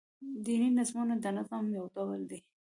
دیني نظمونه دنظم يو ډول دﺉ.